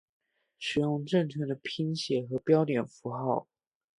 使用正确的拼写和标点符号